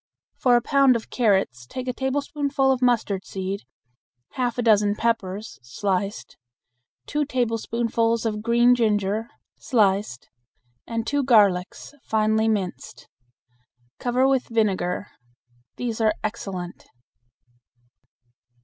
For a pound of carrots take a tablespoonful of mustard seed, half a dozen peppers (sliced), two tablespoonfuls of green ginger (sliced), and two garlics (finely minced). Cover with vinegar. These are excellent.